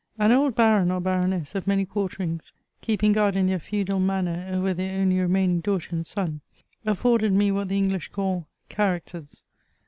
An old baron or baroness of many quarterings, keeping guard in their feudal manor over their only re maining daughter and son, afforded me what the English call charactert.